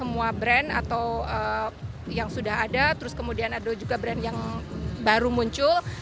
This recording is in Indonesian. dan itu kan pasti karena permintaan pasarnya cukup tinggi dan semua brand atau yang sudah ada terus kemudian ada juga brand yang baru muncul